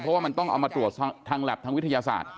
เพราะว่ามันต้องเอามาตรวจทางแล็บทางวิทยาศาสตร์